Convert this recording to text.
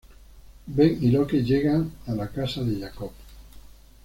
Ben y Locke llegan la "casa" de Jacob.